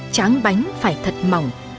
tráng bánh phải thật mỏng